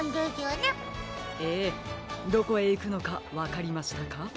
ええどこへいくのかわかりましたか？